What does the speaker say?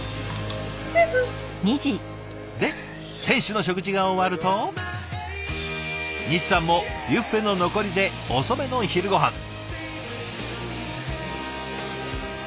で選手の食事が終わると西さんもビュッフェの残りで遅めの昼ごはん。